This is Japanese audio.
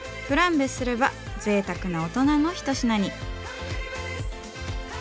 フランベすればぜいたくなオトナの一品に。